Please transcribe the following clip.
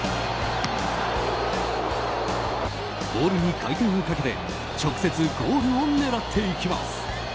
ボールに回転をかけて直接ゴールを狙っていきます。